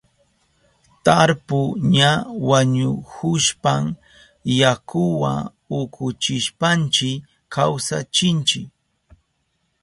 Tarpu ña wañuhushpan yakuwa ukuchishpanchi kawsachinchi.